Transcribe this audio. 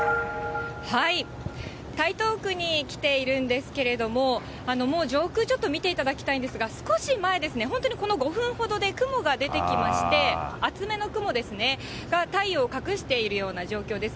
台東区に来ているんですけれども、もう上空ちょっと見ていただきたいんですが、少し前ですね、本当にこの５分ほどで雲が出てきまして、厚めの雲ですね、が、太陽を隠しているような状況です。